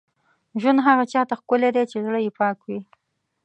ژوند هغه چا ته ښکلی دی، چې زړه یې پاک وي.